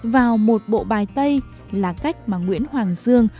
vào một bộ bài tây là cách mà nguyễn hoàng dương